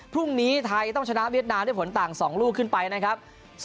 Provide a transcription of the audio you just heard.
พรุ่งนี้ไทยต้องชนะเวียดนามด้วยผลต่าง๒ลูกขึ้นไปนะครับ